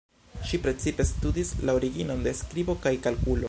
Ŝi precipe studis la originon de skribo kaj kalkulo.